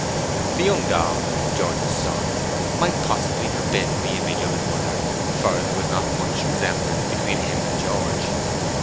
The young dog, George's son, might possibly have been the image of his mother, for there was not much resemblance between him and George.